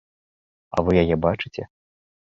А вы яе бачыце?